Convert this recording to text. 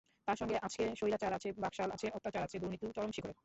তার সঙ্গে আজকে স্বৈরাচার আছে, বাকশাল আছে, অত্যাচার আছে, দুর্নীতিও চরম শিখরে।